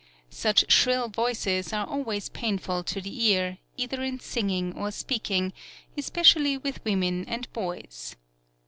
Such shrill voices are always painful to the ear, either in singing or speaking, especially with women and boys.